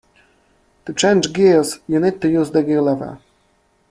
To change gears you need to use the gear-lever